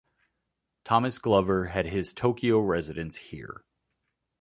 Thomas Glover had his Tokyo residence here.